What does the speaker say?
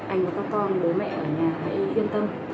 anh và các con bố mẹ ở nhà hãy yên tâm